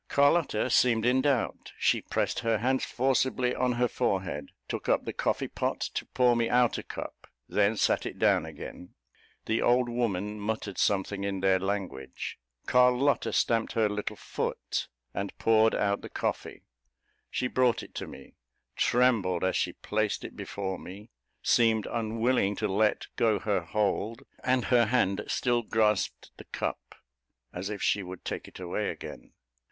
Carlotta seemed in doubt; she pressed her hands forcibly on her forehead; took up the coffee pot to pour me out a cup, then sat it down again; the old woman muttered something in their language; Carlotta stamped with her little foot, and poured out the coffee. She brought it to me trembled as she placed it before me seemed unwilling to let go her hold, and her hand still grasped the cup, as if she would take it away again.